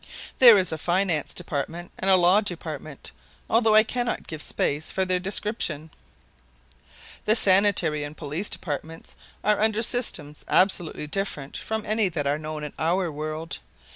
There is a Finance Department and a Law Department, although I cannot give space for their description. The Sanitary and Police Departments are under systems absolutely different from any that are known in our world.